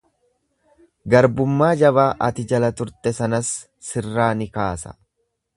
Garbummaa jabaa ati jala turte sanas sirraa ni kaasa.